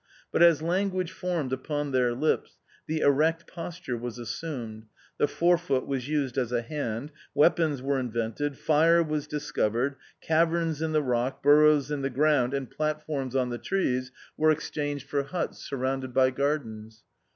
But as language formed upon their lips, the erect posture was assumed, the fore foot was used as a hand, weapons were invented, fire was discovered, caverns in the rock, burrows in the ground, and platforms on the trees, were exchanged for THE OUTCAST. 37 huts surrounded by gardens.